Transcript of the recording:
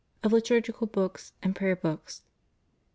Of Liturgical Books and Prayer Books.